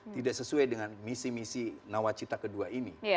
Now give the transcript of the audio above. tidak sesuai dengan misi misi nawacita ke dua ini